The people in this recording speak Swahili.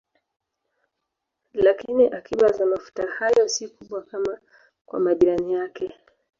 Lakini akiba za mafuta hayo si kubwa kama kwa majirani yake.